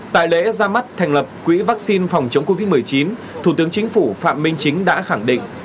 tại lễ ra mắt thành lập quỹ vaccine phòng chống covid một mươi chín thủ tướng chính phủ phạm minh chính đã khẳng định